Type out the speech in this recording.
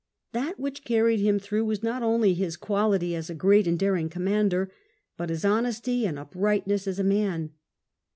That which carried him through was not only his quality as a great and daring commander, but his honesty and uprightness as a man.